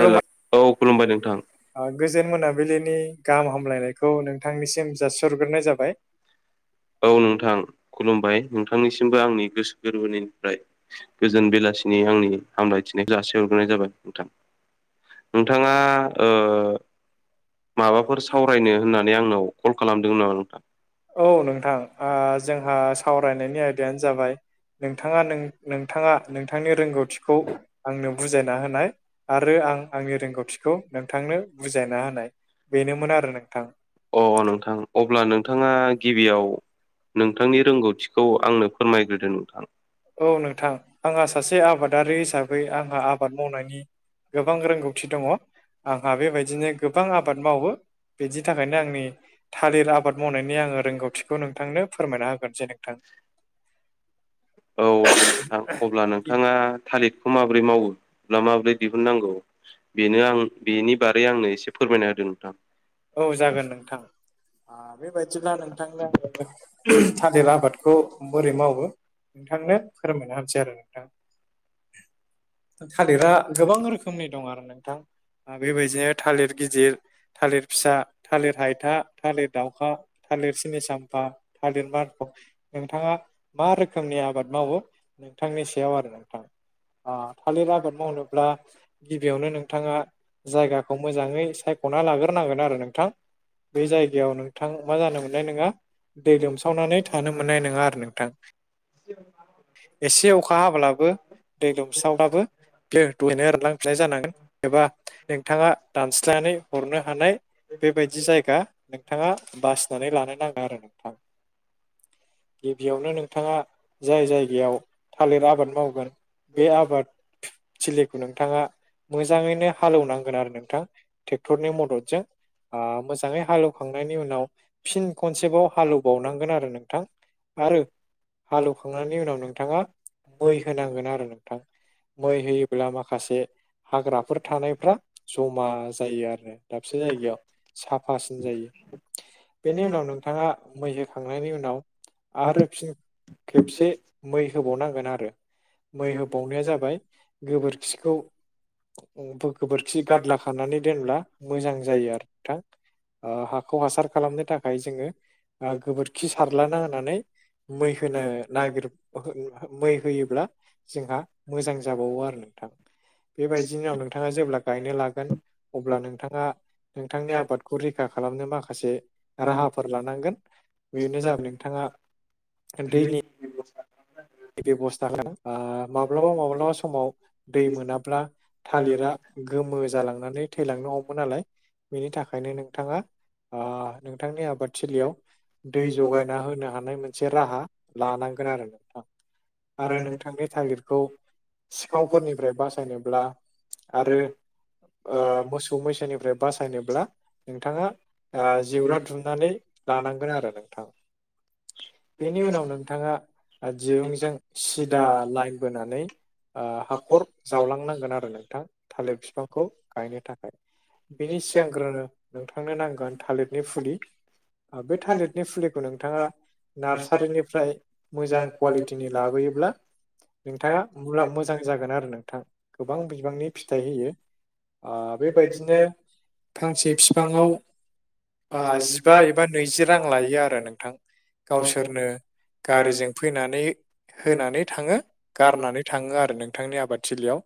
हेल' औ खुलुमबाय नोंथां गोजोन मोनाबिलिनि गाहाम हामलायनायखौ नोंथांनिसिम जासिहरग्रोनाय जाबाय औ नोंथां खुलुमबाय नोंथांनिसिमबो आंनि गोसो गोरबोनिनिफ्राय गोजोन बेलासिनि आंनि हामलायथिनाय जासि हरग्रोनाय जाबाय नोंथां नोंथाङा ओ माबाफोर सावरायनो होननानै आंनाव कल खालामदों नामा नोंथां? औ नोंथां जोंहा सावरायनायनि आयदायानो जाबाय नोंथाङा नों नोंथाङा नोंथांनि रोंगौथिखौ आंनो बुजायना होनाय आरो आं आंनि रोंगौथिखौ नोंथांनो बुजायना होनाय बेनोमोन आरो नोंथां अ नोंथां अब्ला नोंथाङा गिबियाव नोंथांनि रोंगौथिखौ आंनो फोरमायग्रोदो नोंथां औ नोंथां आंहा सासे आबादारि हिसाबै आंहा आबाद मावनायनि गोबां रोंगौथि दङ आंहा बेबायदिनो गोबां आबाद मावो बिनि थाखायनो आंनि थालिर आबाद मावनायनि आङो रोंगौथिखौ नोंथांनो फोरमायना होगोरनोसै नोंथां औ आ नोंथां अब्ला नोंथाङा थालिरखौ माब्रै मावो ना माब्रै दिहुननांगौ बेनो आं बेनि बादै आंनो एसे फोरमायना होदों नोंथां औ जागोन नोंथां बेबायदिब्ला नोंथांनो थालिर आबादखौ बोरै मावो नोंथांनो फोरमायना होग्रो नसै आरो नोंथां थालिरा गोबां रोखोमनि दं आरो नोंथां बेबायदिनो थालिर गिदिर थालिर फिसा थालिर हायथा थालिर दाउखा थालिर सिनि साम्फा थालिर मानफं नोंथाङा मा रोखोमनि आबाद मावो नोंथांनि सायाव आरो नोंथां अ थालिर आबाद मावनोब्ला गिबियावनो नोंथाङा जायगाखौ मोजाङै सायख'ना लागोर नांगोन आरो नोंथां बे जायगायाव नोंथां मा जानो मोननाय नोङा दै लोमसावनानै थानो मोननाय नङा आरो नोंथां [unintelligible] एसे अखा हाब्लाबो दै लोमस्रावब्लाबो जानांगोन एबा नोंथाङा दानस्लायनानै हरनो हानाय बेबायदि जायगा नोंथाङा बासिनानै लानो नाङा आरो नोंथां गिबियावनो नोंथाङा जाय जायगायाव थालिर आबाद मावगोन बे आबाद थिलिखौ नोंथाङा मोजाङैनो हालौवनांगोन आरो नोंथां ट्रेक्टरनि मदद जों मोजाङै हालौखांनायनि उनाव फिन खनसेबाव हालौ बावनांगोन आरो नोंथां आरो हालौवखांनायनि उनाव नोंथाङा मै होनांगोन आरो नोंथां मै होयो ब्ला माखासे हाग्राफोर थानायफ्रा जमा जायो आरो दाबसे जायगायाव साफासिन जायो बेनि उनाव नोंथाङा मैहोखांनायनि उनाव आरो फिन खेबसे मै होबावनांगोन आरो मै होबावनाया जाबाय गोबोरखिखौ गोबोरखि गादला खानानै दोनब्ला मोजां जायो आरो नोंथां ओ हाखौ हासार खालामनो थाखाय जोङो गोबोरखि सारलाना होनानै मै होनो नागिर मै होयोब्ला जोंहा मोजां जाबावो आरो नोंथां बेबायदिनि उनाव नोंथाङा जेब्ला गायनो लागोन अब्ला नों नोंथाङा नोंथांनि आबादखौ रैखा खालामनो माखासे राहाफोर लानांगोन बेनो जाबाय नोंथाङा उन्दैनि बेबस्था होन ओ माब्लाबा माब्लाबा समाव दै मोनाब्ला थालिरा गोमो जालांनानै थैलांनो हमो नालाय बेनि थाखायनो नोंथाङा ओ नोंथांनि आबादथिलियाव दै जगायना होनो हानाय नाय मोनसे राहा लानांगोन आरो नोंथां आरो नोंथांनि थालिरखौ सिखावफोरनिफ्राय बासायनोब्ला आरो ओ मोसौ मैसोानिफ्राय बासायनोब्ला नोंथाङा ओ जेवरा दुमनानै लानांगोन आरो नोंथां बेनि उनाव नोंथाङा ओ दिरुंजों सिदा लाइन बोनानै ओ हाखर जावलांनांगोन आरो नोंथां थालिर बिफांखौ गायनो थाखाय बिनि सिगांग्रोनो नोंथांनो नांगोन थालिरनि फुलि ओ बे थालिरनि फुलिखौ नोंथाङा नार्सारिनिफ्राय मोजां कुवालिटिनि लाबोयोब्ला नोंथाङा मुला मोजां जागोन आरो नोंथां गोबां बिबांनि फिथाइ होयो। ओ बेबायदिनो फांसे बिफाङाव जिबा एबा नैजि रां लायो आरो नोंथां। गावसोरनो गारिजों फैनानै होनानै थाङो गारनानै थाङो आरो नोंथांनि आबादथिलियाव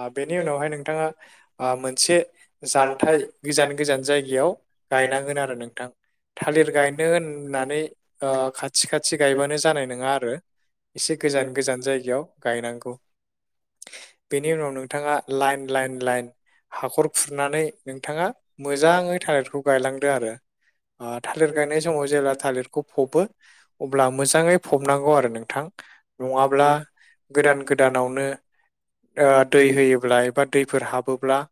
ओ बेनि उनावहाय नोंथाङा ओ मोनसे जानथाय गोजान गोजान जायगायाव गायनांगोन आरो नोंथां। थालिर गायनो होननानै ओ खाथि खाथि गायबानो जानाय। नङा आरो एसे गोजान गोजान जायगायाव गायनांगौ। बेनि उनाव नोंथाङा लाइन लाइन लाइन हाखर खुरनानै नोंथाङा मोजाङै थालिरखौ गायलांदो आरो ओ थालिर गायनाय समाव जेब्ला थालिरखौ फबो अब्ला मोजाङै फबनांगौ आरो नोंथां नङाब्ला गोदान गोदानावनो ओ दै होयोब्ला एबा दैफोर हाबोब्ला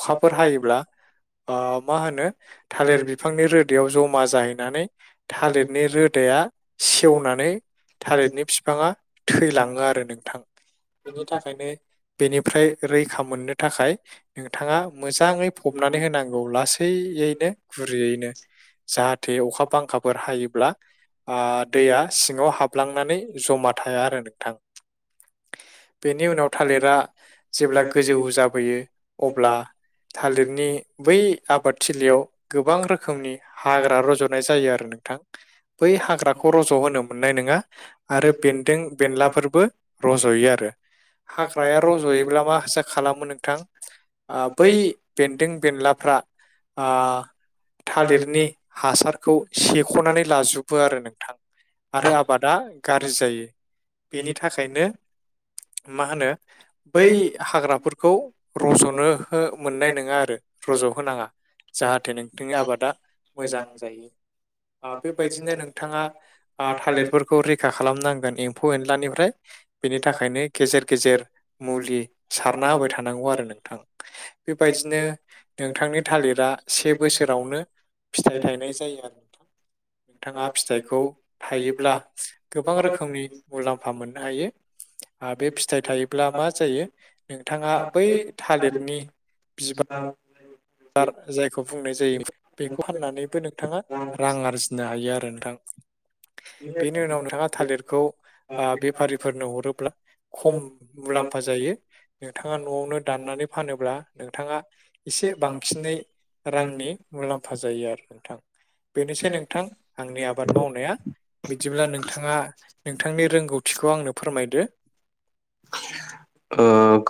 अखाफोर हायोब्ला ओ मा होनो थालिर बिफांनि रोदायाव जमा जाहैनानै थालिरनि रोदाया सेवनानै थालिरनि फिफाङा थैलाङो आरो नोंथां। बेनि थाखायनो बेनिफ्राय रैखा मोननो थाखाय नोंथाङा मोजाङै फबनानै होनांगौ लासैयैनो गुरैयैनो। जाहाथे अखा बांखाफोर हायोब्ला दैया सिङाव हाबलांनानै जमा थाया आरो नोंथां। बेनि उनाव थालिरा जेब्ला गोजौ जाबोयो अब्ला थालिरनि बै आबादथिलियाव गोबां रोखोमनि हाग्रा रजद जायो आरो नोंथां बै हाग्राखौ र' होन मोननाय नङा आरो बेन्दों बेनलाफोरबो रज'यो आरो हाग्राया रज'योब्ला मा हासा खालामो नोंथां। बै बेन्दों बेनलाफ्रा थालिरनि हासारखौ सेख'नानै लाजोबो आरो नोंथां। आरो आबादा गाज्रि जायो बेनि थाखायनो मा होनो बै हाग्राफोरखौ रज'नो मोननाय नङा आरो रज'होनाङा। जाहाथे नोंथांनि आबादा मोजां जायो बेबायदिनो नोंथाङा थालिरफोरखौ रैखा खालामनांगोन एम्फौ एनलानिफ्राय बेनि थाखायनो गेजेर गेजेर मुलि सारना होबाय थानांगौ आरो नोंथां। बेबायदिनो नोंथांनि थालिरा से बोसोरावनो फिथाइ थायनाय जायो आरो नोंथां नोंथाङा फिथाइखौ हायोब्ला गोबां रोखोमनि मुलाम्फा मोननो हायो। आरो बे फिथाइ थायोब्ला मा जायो नोंथाङा बै थालिरनि बिबा द [inaudible] र जायखौ बुंनाय जायो बेखौ होनान्नानैबो नोंथाङा रां आरजि नो हायो आरो नोंथां। बेनि उनाव नोंथाङा थालिरखौ बेफारिफोरनो हरोब्ला खम मुलाम्फा जायो। नोंथाङा न'आवनो दाननानै फानोब्ला नोंथाङा एसे बांसिनै रांनि मुलाम्फा जायो आरो नोंथां बेनोसै नोंथां आंनि आबाद मावनाया। बिदिब्ला नोंथाङा नोंथांनि रोंगौथिखौ आंनो फोरमायदो।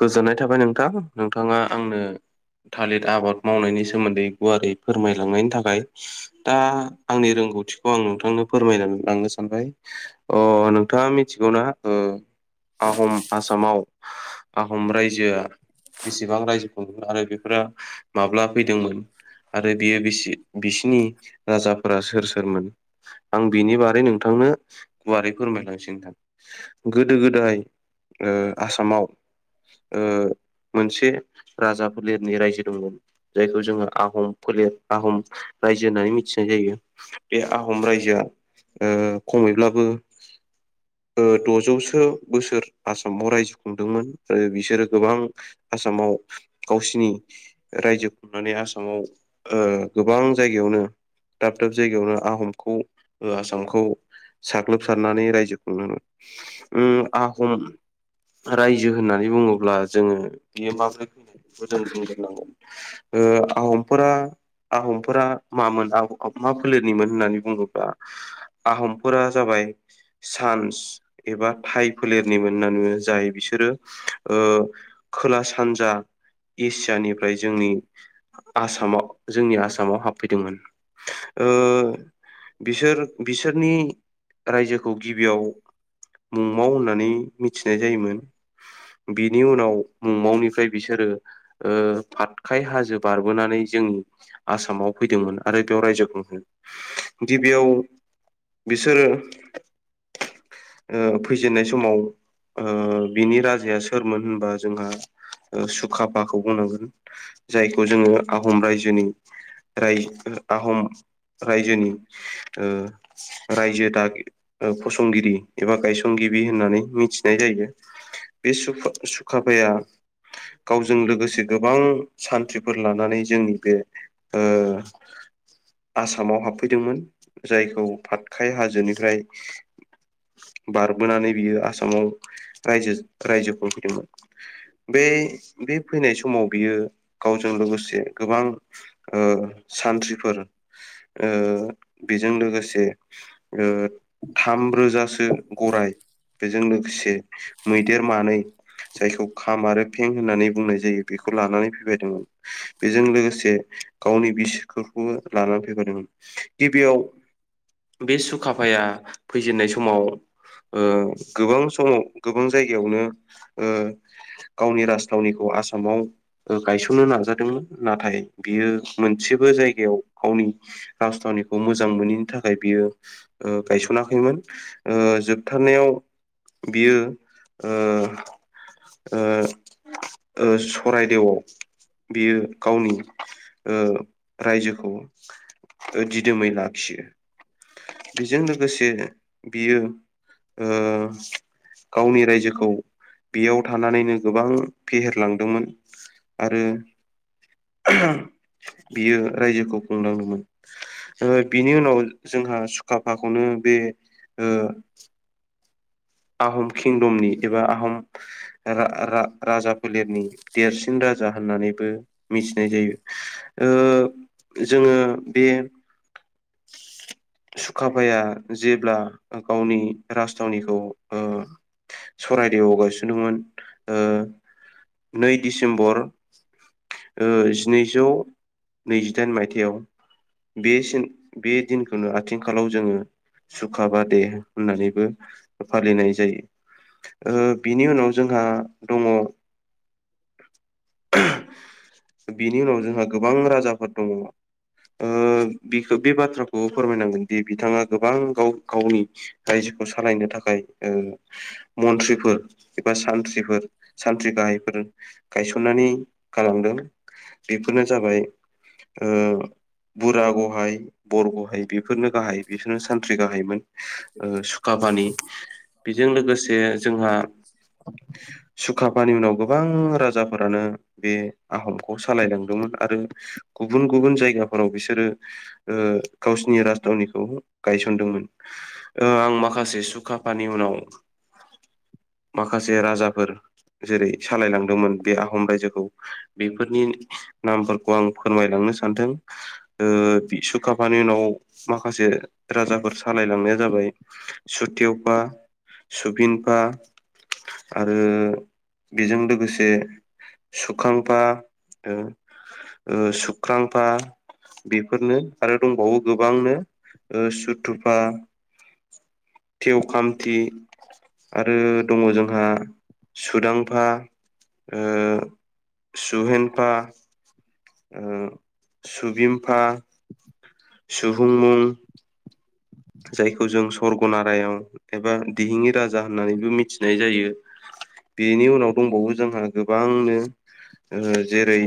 गोजोननाय थाबाय नोंथां नोंथाङा आंनो थालिर आबाद मावनायनि सोमोन्दै गुवारै फोरमायलांनायनि थाखाय दा आंनि रोंगौथिखौ आं नोंथांनो फोरमायना लांनो सानबाय नोंथाङा मिथिगौना आहम आसामाव आहम रायजोआ बेसेबां रायजो खदोंमोन आरो बेफोरो माब्ला फैदोंमोन। आरो बियो बिसि बिसिनि राजाफोरा सोर सोरमोन। आं बिनि बारै नोंथांनो गुवारै फोरमायलांसै नोंथां। गोदो गोदाय ओ आसामाव मोनसे राजाफोर लिरनाय रायजो दंमोन। जायखौ जोङो आहम फोलेर आहम रायजो होननानै मिथिनाय जायो। बे आहम रायजोआ खमैब्लाबो द'जौसो बोसोर आसामाव रायजो दोंमोन आरो बिसोरो गोबां आसामाव गावसिनि रायजो खुंनानै आसामाव गोबां जायगायावनो दाब दाब जायगायावनो आहमखौ आसामखौ साग्लोबसारनानै रायजोखुंदोंमोन उम आहम रायजो होननानै बुङोब्ला जोङो बियो माबोरै फैनाय बेखौ जों बुंग्रोनांगोन। ओ आहमफोरा आहमफोरा मामोन मा फोलेरनिमोन होननानै बुङोब्ला आहमफोरा जाबाय सान्स एबा थाइ फोलेरनिमोनना नु जायो बिसोरो खोला सानजा एसियानिफ्राय जोंनि आसामाव जोंनि आसामाव हाबफैदोंमोन। बिसोर बिसोरनि रायजोखौ गिबियाव मुंमाव नानै मि नाय जायोमोन बिनि उनाव मुंमावनिफ्राय बिसोरो ओ फातखाय हाजो बारबोनानै जोंनि आसामाव फैदोंमोन आरो बेयाव रायजो खुङो। गिबियाव बिसोरो। फैजेननाय समाव बिनि राजाया सोरमोन होनबा जोंहा सुखाफाखौ बुंनांगोन। जायखौ जोङो आहम रायजोनि रा आहम रायजोनि ओ रायजो दागि फसंगिरि एबा गायसनगिरि होननानै मिथि नाय जायो बे सुखा- सुखाफाया गावजों लोगोसे गोबां सान्थ्रिफोर लानानै जोंनि बे आसामाव हाबफैदोंमोन जायखौ आखाय हाजोनिफ्राय बारबोनानै बियो आसामाव राजो रायजोखौमोन [unintelligible] बे बे फैनाय समाव बियो गावजों लोगोसे गोबां सानथ्रिफोर ओ बेजों लोगोसे थामरोजासो गरराय बेजोंनो मैदेर मानै जायखौ खाम आरो फें होननानै बुंनाय जायो बेखौ लानानै फैबायदोंमोन। बेजों लोगोसे गावनि बिसिफोरखौबो लानानै फैफादोंमोन। गिबियाव बे सुखाफाया फैजेनन्नाय समाव ओ गोबां समाव गोबां जायगायावनो गावनि राजथावनिखौ आसामाव गायसननो नाजादोंमोन नाथाय बियो मोनसेबो जायगायाव गावनि राजथावनिखौ मोजां मोनैनि थाखाय बियो ओ गायस'नाखैमोन ओ जोबथारनायाव बियो सरायदेवआव बियो गावनि रायजोखौ जिद मै लाखियो। बेजों लोगोसे बियो ओ गावनि रायजोखौ बेयाव थानानैनो गोबां फेहेरलांदोंमोन आरो बियो रायजोखौ खुंनांदोंमोन। बिनि उनाव जोंहा सुखााफाखौनो बे ओ आहम किंदमनि एबा आहम राजा फोलेरनि देरसिन राज जा होननानैबो मिथिनाय जायो ओ जोङो बे सुखाफाया जेब्ला गावनि राजथावनिखौ ओ सररायदेवआव गायसनदोंमोन नै डिसेम्बर ओ जिनैजौ नैजिदाइन मायथाइयाव बेन बे दिनखौनो आथिंखालाव जोङो सुखाबा दे होननानैबो फालिनाय जायो बिनि उनाव जोंहा दङ बिनि उनाव जोंहा गोबां राजाफोर दङ। ओ बिखो बे बाथ्राखौ फोरमायनांगोन दि बिथाङा गोबां गाव गावनि रायजोखौ सालायनो थाखाय ओ मन्थ्रिफोर एबा सानथ्रिफोर सानथ्रि गाहायफोर गायसननानै गालांदों बेफोरनो जाबाय ओ बुरा गाहाय बरग'हाय बेफोरनो गाहाय बिसोरनो सानथ्रि गाहायमोन सुकाफानि बेजों लोगोसे जोंहा सुकफानि उनाव गोबां राजाफोरानो बे आहमखौ सालायलांदोंमोन आरो गुबुन गुबुन जायगाफोराव बिसोरो ओ गावसिनि राजथावनिखौ गायसनदोंमोन आं माखासे सुखा आफानि उनाव माखासे राजाफोर जेरै सालायलांदोंमोन बे आहम रायजोखौ बेफोरनि नामफोरखौ आं फोरमायलांनो सानदों। ओ सुकाफानि उनाव माखासे राजाफोर सालायलांनाया जाबाय सुथेवफा सुबिनफा आरो बेजों लोगोसे सुखांफा ओ सुख्रांफा बेफोरनो आरो दंबावो गोबांनो ओ सुथुफा तेव कामथि आरो दङ जोंहा सुदांफा ओ सुहेनफा ओ सुबिमफा सुबुं मुं जायखौ जों सर्गणारायाव एबा दिहिङि राजा होननानैबो मिथिनाय जायो। बेनि उनाव दंबावो जोंहा गोबांनो ओ जेरै